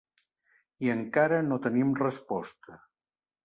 I encara no tenim resposta.